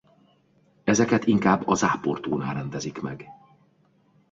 Ezeket inkább a Zápor-tónál rendezik meg.